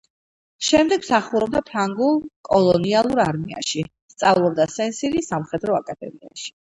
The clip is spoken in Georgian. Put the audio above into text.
შემდეგ მსახურობდა ფრანგულ კოლონიალურ არმიაში, სწავლობდა სენ-სირის სამხედრო აკადემიაში.